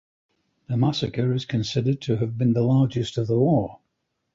The massacre is considered to have been the largest of the war.